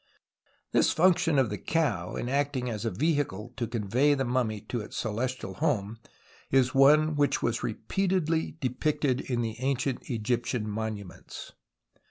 This function of the cow in actino as a veliicle to convey the numimy to its celestial home is one which was repeatedly depicted in the ancient Egyptian monuments.